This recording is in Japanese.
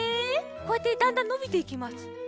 こうやってだんだんのびていきます。